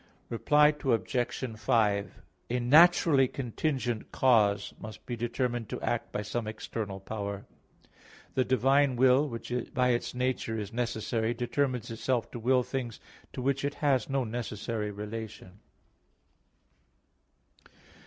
Reply Obj. 5: A naturally contingent cause must be determined to act by some external power. The divine will, which by its nature is necessary, determines itself to will things to which it has no necessary relation.